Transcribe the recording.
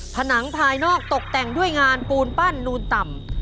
ผนังภายนอกตกแต่งด้วยงานปูนปั้นนูนต่ำ